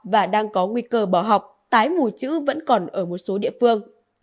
và đang có nguy cơ bỏ học tái mù chữ vẫn còn ở một số địa phương